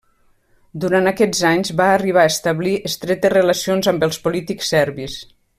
Durant aquests anys va arribar a establir estretes relacions amb els polítics serbis.